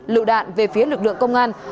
lựu đạn về phía lực lượng công an